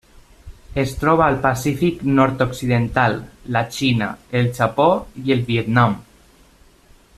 Es troba al Pacífic nord-occidental: la Xina, el Japó i el Vietnam.